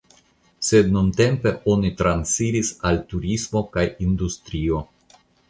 Sed nuntempe oni transiris al turismo kaj industrio.